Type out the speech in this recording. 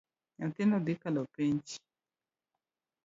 Nyathino dhi kalo penj.